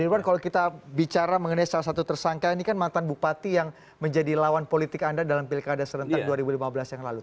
irwan kalau kita bicara mengenai salah satu tersangka ini kan mantan bupati yang menjadi lawan politik anda dalam pilkada serentak dua ribu lima belas yang lalu